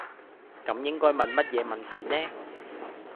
咁應該問乜嘢問題呢?